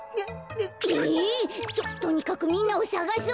えっ！？ととにかくみんなをさがそう。